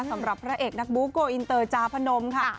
สำหรับพระเอกนักบูโกอินเตอร์จาพนมค่ะ